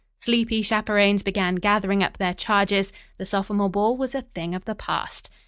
Sleepy chaperons began gathering up their charges. The sophomore ball was a thing of the past.